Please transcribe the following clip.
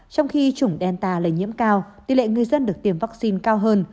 trong khi chủng delta lây nhiễm cao tỷ lệ người dân được tiêm vaccine cao hơn